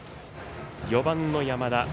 ４番の山田。